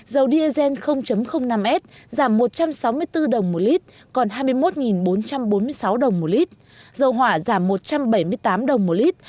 dầu diesel năm s giảm một trăm sáu mươi bốn đồng một lít còn hai mươi một bốn trăm bốn mươi sáu đồng một lít dầu hỏa giảm một trăm bảy mươi tám đồng một lít